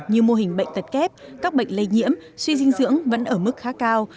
như mô hình bệnh tật kép các bệnh lây nhiễm suy dinh dưỡng vẫn ở mức khá cao